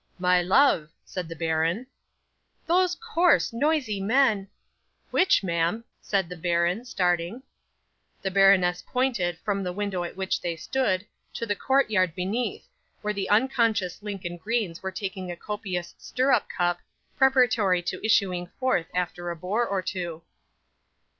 '"My love," said the baron. '"Those coarse, noisy men " '"Which, ma'am?" said the baron, starting. 'The baroness pointed, from the window at which they stood, to the courtyard beneath, where the unconscious Lincoln greens were taking a copious stirrup cup, preparatory to issuing forth after a boar or two.